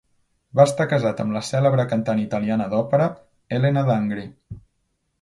Va estar casat amb la cèlebre cantant italiana d'òpera Elena d'Angri.